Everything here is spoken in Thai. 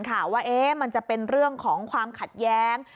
ข่าวว่ามันจะเป็นเรื่องของความขัดแย้ง